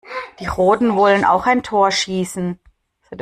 Die Roten wollen auch ein Tor schießen.